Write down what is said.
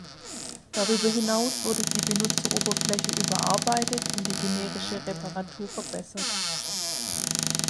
Darüber hinaus wurde die Benutzeroberfläche überarbeitet und die generische Reparatur verbessert.